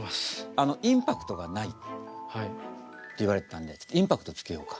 あのインパクトがないって言われてたんでインパクトつけようか。